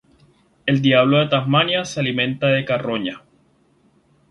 El diablo de Tasmania se alimenta de carroña.